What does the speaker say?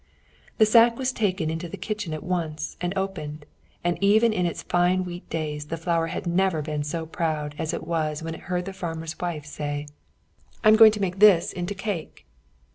The sack was taken into the kitchen at once and opened, and even in its wheat days the flour had never been so proud as it was when it heard the farmer's wife say "I'm going to make this into cake."